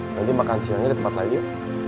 nanti makan siangnya di tempat lain yuk